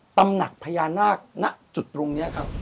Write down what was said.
ตำหนักพญานาคณจุดตรงนี้ครับ